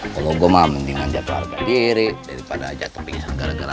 kalau gua mah mendingan jatuh harga diri daripada aja terpisah gara gara